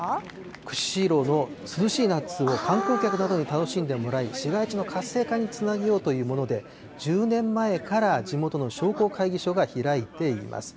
釧路の涼しい夏を観光客などに楽しんでもらい、市街地の活性化につなげようというもので、１０年前から地元の商工会議所が開いています。